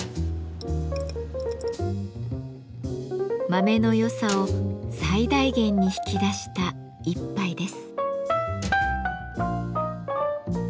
豆の良さを最大限に引き出した一杯です。